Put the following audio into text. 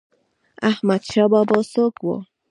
احمد شاه بابا څوک و؟